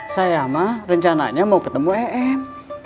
saya mah rencananya mau ketemu em